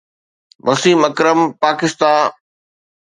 Waseem Akram پاڪستا